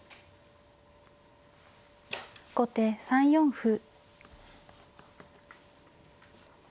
後手３四歩。